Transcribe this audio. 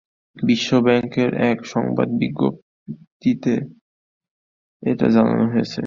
বিশ্বব্যাংকের এক সংবাদ বিজ্ঞপ্তিতে এ কথা জানানো হয়েছে।